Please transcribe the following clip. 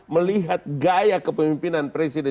melihat gaya kepemimpinan presiden